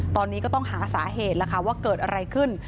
ตอนนี้ก็ต้องหาสาเหตุแล้วค่ะว่าเกิดอะไรขึ้น